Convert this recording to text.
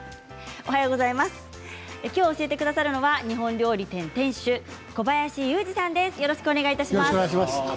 きょう教えてくださるのは日本料理店店主小林雄二さんです。